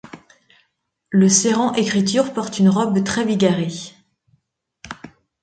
Le serran écriture porte une robe très bigarrée.